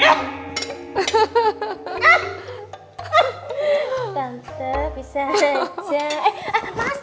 tante bisa aja